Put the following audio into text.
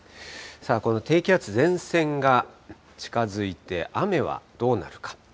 さあ、この低気圧、前線が近づいて、雨はどうなるか。